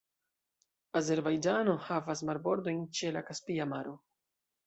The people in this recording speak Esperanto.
Azerbajĝano havas marbordojn ĉe la Kaspia Maro.